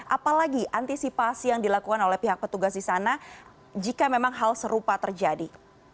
apalagi antisipasi yang dilakukan oleh pihak petugas di sana jika memang hal serupa terjadi